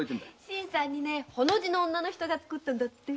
新さんにホの字の女が作ったんだって。